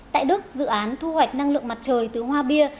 tại đức dự án thu hoạch năng lượng mặt trời từ hoa bia